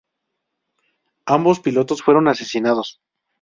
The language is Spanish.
Ambos pilotos fueron asesinados.